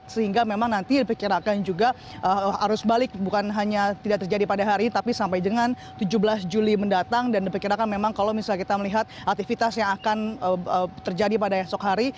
sehingga memang nanti diperkirakan juga arus balik bukan hanya tidak terjadi pada hari tapi sampai dengan tujuh belas juli mendatang dan diperkirakan memang kalau misalnya kita melihat aktivitas yang akan terjadi pada esok hari